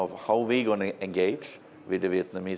chúng tôi sẽ gặp quý vị của hà nội